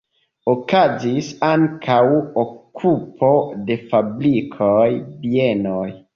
Okazis ankaŭ okupo de fabrikoj, bienoj.